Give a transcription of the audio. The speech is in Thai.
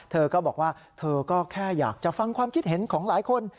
เธอก็บอกว่าเธอก็แค่อยากจะฟังความคิดเห็นของหลายคน